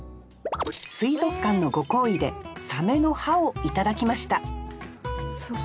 水族館のご厚意でサメの歯をいただきましたすごい。